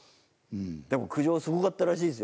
でも苦情すごかったらしいです